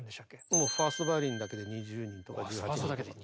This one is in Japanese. もうファーストバイオリンだけで２０人とか１８人とか。